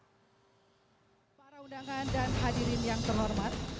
kepada para undangan dan hadirin yang terhormat